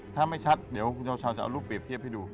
ถ้าไม่ชัดเดี๋ยวคุณเช้าจะเอารูปเปรียบเทียบให้ดู